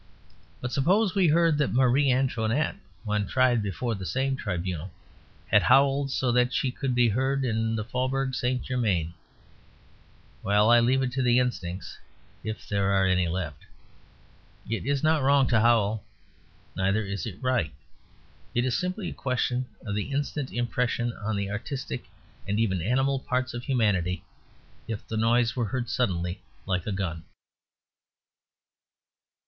But suppose we heard that Marie Antoinette, when tried before the same tribunal, had howled so that she could be heard in the Faubourg St. Germain well, I leave it to the instincts, if there are any left. It is not wrong to howl. Neither is it right. It is simply a question of the instant impression on the artistic and even animal parts of humanity, if the noise were heard suddenly like a gun.